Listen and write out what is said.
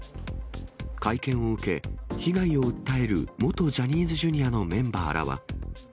会見を受け、被害を訴える元ジャニーズＪｒ．のメンバーらは。